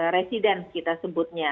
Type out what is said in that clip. residen kita sebutnya